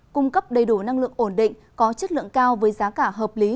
cung cấp đầy đủ năng lượng ổn định có chất lượng cao với giá cả hợp lý